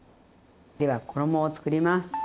では衣をつくります。